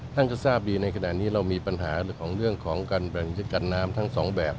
ท่านก็ทราบดีในขณะนี้เรามีปัญหาของเรื่องของการบริหารจัดการน้ำทั้งสองแบบ